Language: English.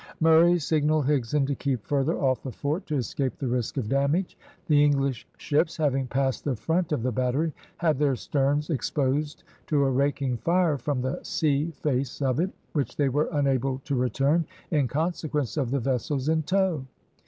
Murray signalled Higson to keep further off the fort, to escape the risk of damage. The English ships, having passed the front of the battery, had their sterns exposed to a raking fire from the sea face of it, which they were unable to return, in consequence of the vessels in tow.